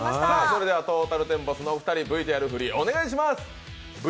それではトータルテンボスのお二人Ｖ振りをお願いします。